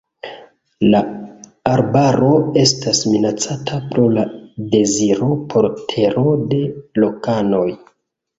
La arbaro estas minacata pro la deziro por tero de lokanoj.